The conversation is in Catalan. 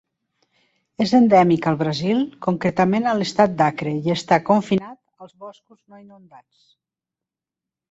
És endèmica al Brasil, concretament a l'Estat d'Acre i està confinat als boscos no inundats.